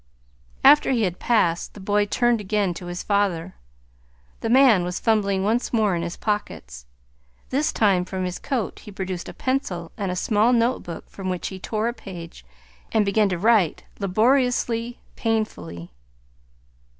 After he had passed, the boy turned again to his father. The man was fumbling once more in his pockets. This time from his coat he produced a pencil and a small notebook from which he tore a page, and began to write, laboriously, painfully.